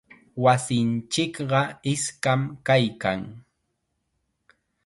Wasinchikqa iskam kaykan.